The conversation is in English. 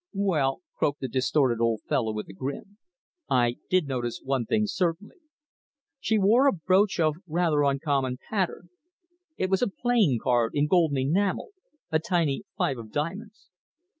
"Well," croaked the distorted old fellow, with a grin, "I did notice one thing, certainly. She wore a brooch of rather uncommon pattern. It was a playing card in gold and enamel a tiny five of diamonds."